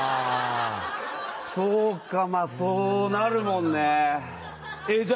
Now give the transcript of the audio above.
そうか、まあ、そうなるもんね。え？